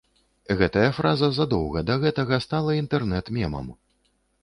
Гэтая фраза задоўга да гэтага стала інтэрнэт-мемам.